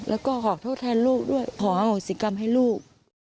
แล้วก็ขอโทษแทนลูกด้วยขออโหสิกรรมให้ลูก